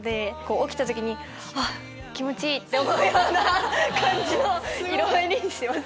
起きた時に「あっ気持ちいい」って思うような感じの色合いにしてます。